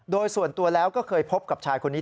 โดยส่วนตัวแล้วก็เคยพบกับชายคนนี้